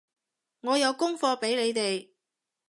我有功課畀你哋